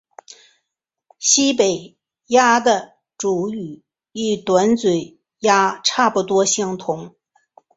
西北鸦的主羽与短嘴鸦差不多相同。